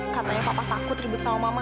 katanya papa takut ribut sama mama